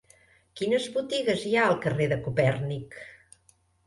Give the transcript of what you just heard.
Quines botigues hi ha al carrer de Copèrnic?